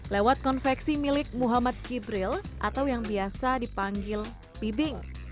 lewat konveksi milik muhammad kibril atau yang biasa dipanggil bibing